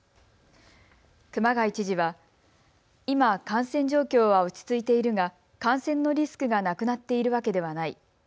熊谷知事は今、感染状況は落ち着いているが感染のリスクがなくなっているわけではない。